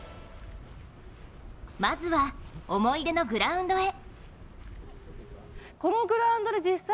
まずは、思い出のグラウンドへ。